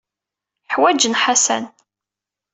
Ḥwajen Ḥasan.